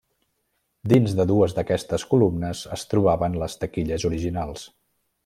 Dins de dues d'aquestes columnes es trobaven les taquilles originals.